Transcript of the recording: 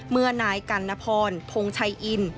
เมื่อนายกัณพรพงชัยอิน